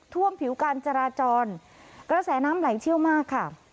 ท่วมผิวการจราจรกระแสน้ำไหลเชี่ยวมากค่ะ